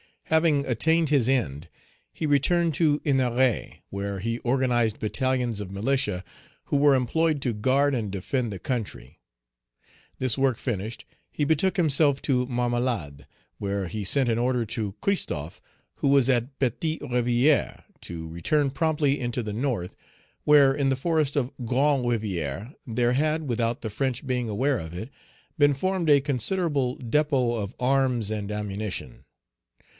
Having attained his end, he returned to Ennery, where he organized battalions of militia, who were employed to guard and defend the country. This work finished, he betook himself to Marmelade. There he sent an order to Christophe, who was at Petite Rivière, to return promptly into the North, where, in the forest of Grande Rivière, there had, without the French being aware of it, been formed a considerable depôt of arms and ammunition.